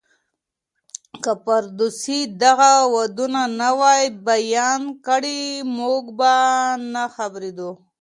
که فردوسي دغه ودونه نه وای بيان کړي، موږ به نه خبرېدو.